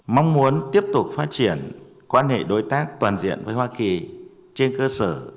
mong muốn tiếp tục phát triển quan hệ đối tác toàn diện với hoa kỳ trên cơ sở